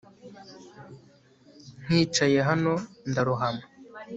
Nkicaye hano ndarohama